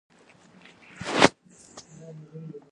پابندی غرونه د افغانستان د سیاسي جغرافیه برخه ده.